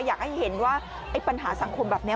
อยากให้เห็นว่าปัญหาสังคมแบบนี้